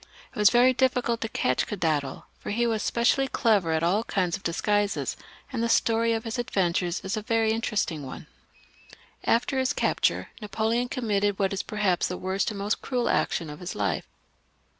It was ver^w^ ^^ J cult to catch Cadondal, for he was specially clever akjtion ^ kinds of disguises, and the story of his adventures is\ gQ \ very interesting one. \q^ After his capture, Napoleon committed what is perhapsVj the worst and most cruel action of his life.